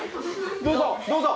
どうぞ！